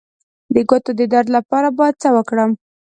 د ګوتو د درد لپاره باید څه وکړم؟